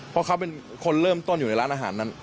เพราะเขาเป็นคนเริ่มต้นอยู่ในร้านอาหารนั้น